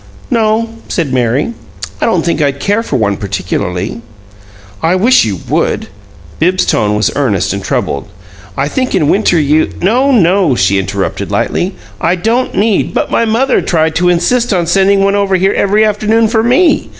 "No," said Mary. "I don't think I'd care for one particularly." "I wish you would." Bibbs's tone was earnest and troubled. "I think in winter you " "No, no," she interrupted, lightly. "I don't need " "But my mother tried to insist on sending one over here every afternoon for me.